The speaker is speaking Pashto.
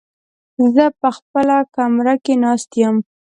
زه په خپله کمره کې ناست يم.